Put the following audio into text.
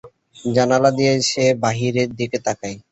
জানালা দিয়া সে বাহিরের দিকে তাকায়।